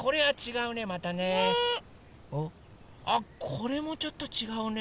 これもちょっとちがうね。